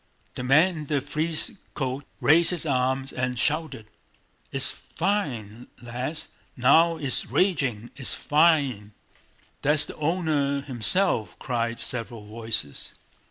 The man in the frieze coat raised his arms and shouted: "It's fine, lads! Now it's raging... It's fine!" "That's the owner himself," cried several voices.